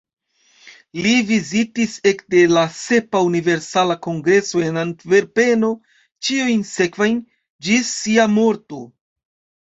Li vizitis ekde la sepa Universala Kongreso en Antverpeno ĉiujn sekvajn, ĝis sia morto.